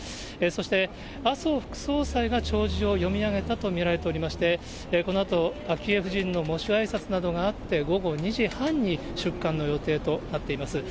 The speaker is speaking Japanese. そして麻生副総裁が弔辞を読み上げたと見られていまして、このあと、昭恵夫人の喪主あいさつなどがあって、午後２時半に出棺の予定となっています。